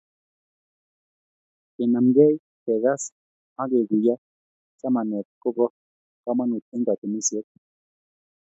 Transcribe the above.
Kinemgei, kekas ak keguiyo chamanet kobo komonut eng katunisiet